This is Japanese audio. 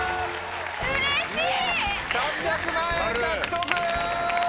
３００万円獲得！